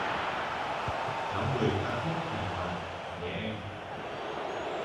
Tháng mười ca khúc khải hoàn... Nhé em!